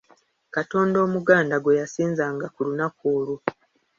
Katonda Omuganda gwe yasinzanga ku lunaku olwo.